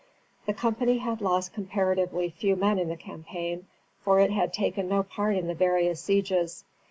The company had lost comparatively few men in the campaign, for it had taken no part in the various sieges.